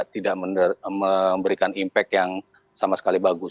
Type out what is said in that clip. tidak memberikan impact yang sama sekali bagus